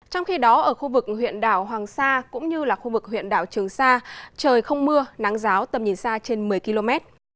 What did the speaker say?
trong khi đó ở khu vực huyện đảo hoàng sa cũng như là khu vực huyện đảo trường sa trời không mưa nắng ráo tầm nhìn xa trên một mươi km